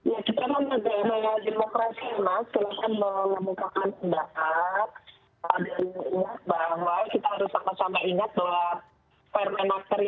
ya kita mengembangkan demokrasi emas